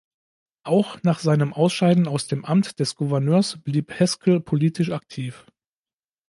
Auch nach seinem Ausscheiden aus dem Amt des Gouverneurs blieb Haskell politisch aktiv.